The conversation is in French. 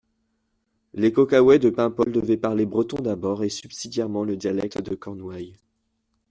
Les Costaouët de Paimpol devaient parler breton d'abord et subsidiairement le dialecte de Cornouailles.